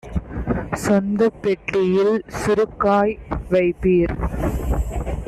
சொந்தப் பெட்டியில் சுருக்காய் வைப்பீர்"